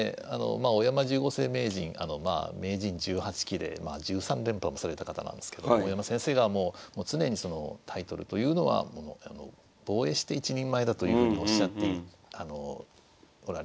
まあ大山十五世名人名人１８期で１３連覇もされた方なんですけど大山先生がもう常にそのタイトルというのは防衛して一人前だというふうにおっしゃっておられましたね。